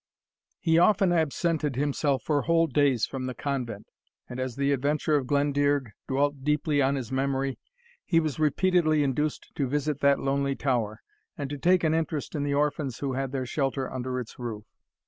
He often absented himself for whole days from the convent; and as the adventure of Glendearg dwelt deeply on his memory, he was repeatedly induced to visit that lonely tower, and to take an interest in the orphans who had their shelter under its roof.